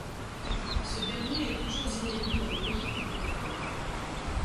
Ce dernier est toujours inédit dans les pays francophones.